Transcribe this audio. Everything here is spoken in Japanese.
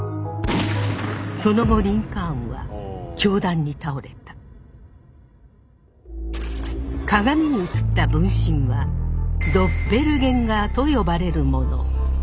その後リンカーンは鏡に映った分身はドッペルゲンガーと呼ばれるもの。